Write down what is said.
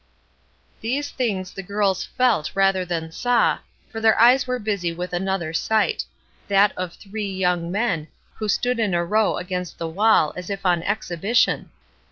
These things the girls felt rather than saw, for their eyes were busy with another sight; that of three young men, who stood in a row against the wall, as if on exhibition.